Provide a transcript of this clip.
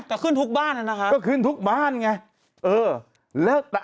ก็ขึ้นทุกบ้านนั้นนะครับก็ขึ้นทุกบ้านไง